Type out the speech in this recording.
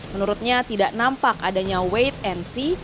menurutnya tidak nampak adanya wait and see